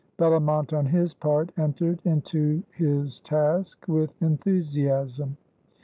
Bellomont on his part entered into his task with enthusiasm.